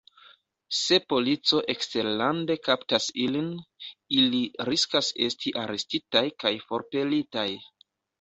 Se polico eksterlande kaptas ilin, ili riskas esti arestitaj kaj forpelitaj.